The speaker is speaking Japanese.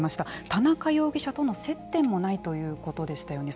田中容疑者との接点もないということでしたよね。